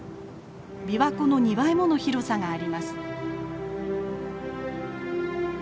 琵琶湖の２倍もの広さがあります。